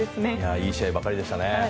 いい試合ばかりでしたね。